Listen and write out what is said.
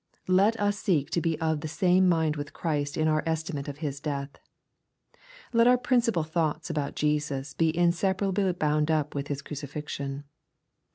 Let us seek to be of the same mind with Christ in our estimate of His death. Let our principal thoughts about Jesus be inseparably bound up with His crucifixion.